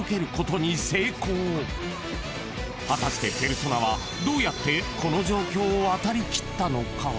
［果たしてペルソナはどうやってこの状況を渡りきったのか？］